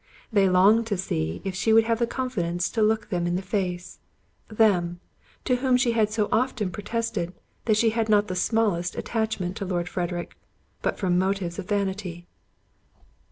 They longed to see if she would have the confidence to look them in the face: them, to whom she had so often protested, that she had not the smallest attachment to Lord Frederick, but from motives of vanity.